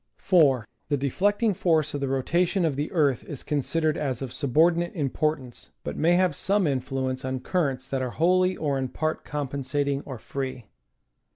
4. The deflecting force of the rotation of the earth is consid ered as of subordinate importance, but may have some influence on currents that are wholly or in part compensating or free.